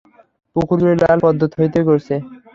পুকুর জুড়ে লাল পদ্ম থই থই করছে।